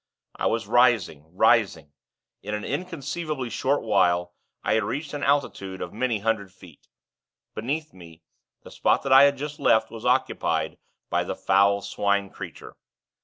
I was rising, rising. In an inconceivably short while, I had reached an altitude of many hundred feet. Beneath me, the spot that I had just left, was occupied by the foul Swine creature.